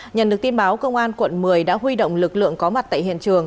nhận được tin báo công an quận một mươi đã huy động lực lượng có mặt tại hiện trường